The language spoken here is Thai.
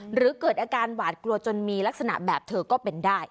หรือเกิดอาการหวาดกลัวจนมีลักษณะแบบเธอก็เป็นได้